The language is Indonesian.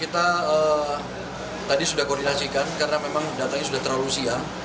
kita tadi sudah koordinasikan karena memang datanya sudah terlalu siang